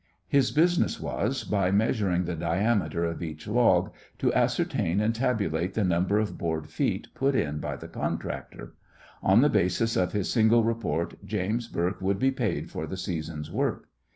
His business was, by measuring the diameter of each log, to ascertain and tabulate the number of board feet put in by the contractor. On the basis of his single report James Bourke would be paid for the season's work.